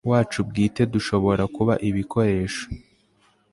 wacu bwite dushobora kuba ibikoresho